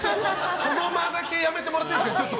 その間だけやめてもらっていいですか？